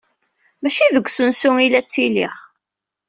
Maci deg usensu ay la ttiliɣ.